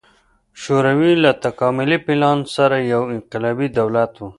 شوروي له تکاملي پلان سره یو انقلابي دولت و.